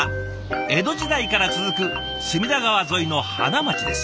江戸時代から続く隅田川沿いの花街です。